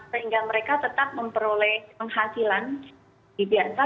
sehingga mereka tetap memperoleh penghasilan di biasa